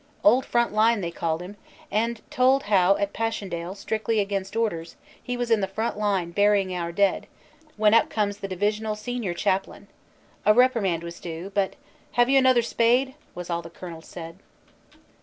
"Old Front Line" they called him, and told how at Passchendaele strictly against orders he was in the front line burying our dead when up comes the divisional senior chap lain. A reprimand was due, but "Have you another spade?" was all the Colonel said.